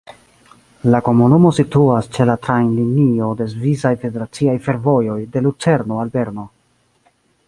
La komunumo situas ĉe la trajnlinio de Svisaj Federaciaj Fervojoj de Lucerno al Berno.